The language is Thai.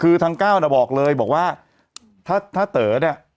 คือทางก้าวน่ะบอกเลยบอกว่าถ้าถ้าเต๋อเนี่ย